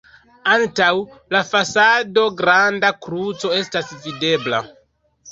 Antaŭ la fasado granda kruco estas videbla.